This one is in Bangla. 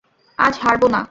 আজ হারবো না।